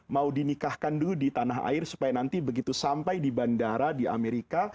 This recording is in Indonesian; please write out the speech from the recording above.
mau dinikahkan dulu di tanah air supaya nanti begitu sampai di bandara di amerika